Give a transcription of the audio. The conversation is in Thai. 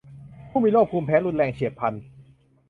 ผู้มีโรคภูมิแพ้รุนแรงเฉียบพลัน